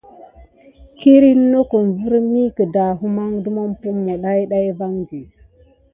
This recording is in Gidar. Kine netda pay virmi gudanikine akawu di kine tate ékile daidaba.